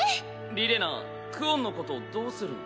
リレナクオンのことどうするの？